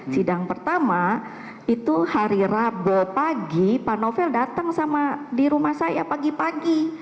sidang pertama itu hari rabu pagi pak novel datang sama di rumah saya pagi pagi